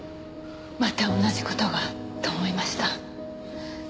また同じ事がと思いました。